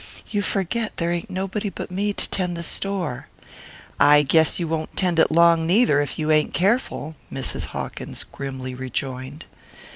"You forget there ain't nobody but me to tend the store." "I guess you won't tend it long neither, if you ain't careful," Mrs. Hawkins grimly rejoined.